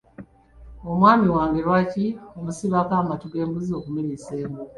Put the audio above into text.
Omwami wange lwaki omusibako amatu g'embuzi okumuliisa engo?